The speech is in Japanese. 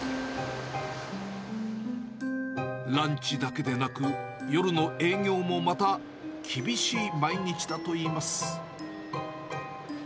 ランチだけでなく、夜の営業もまた厳しい毎日だといいます。